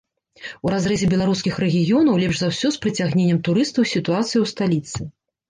У разрэзе беларускіх рэгіёнаў лепш за ўсё з прыцягненнем турыстаў сітуацыя ў сталіцы.